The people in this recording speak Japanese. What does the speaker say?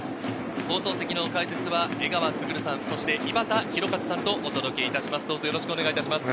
解説は江川卓さん、そして井端弘和さんとお届けします。